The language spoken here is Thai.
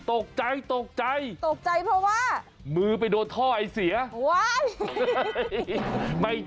ตกใจตกใจตกใจเพราะว่ามือไปโดนท่อไอเสียว